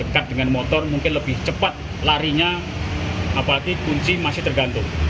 dekat dengan motor mungkin lebih cepat larinya apalagi kunci masih tergantung